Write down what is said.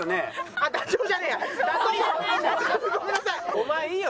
お前いいよ。